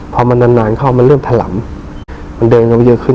พอมันนานเข้ามันเริ่มถล่ำมันเดินลงเยอะขึ้น